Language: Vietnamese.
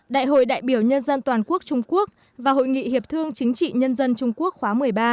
đại hội đại biểu nhân dân toàn quốc trung quốc và hội nghị hiệp thương chính trị nhân dân trung quốc khóa một mươi ba